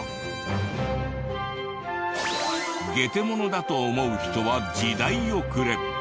ゲテモノだと思う人は時代遅れ。